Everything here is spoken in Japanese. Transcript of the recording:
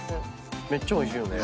めっちゃおいしいよね。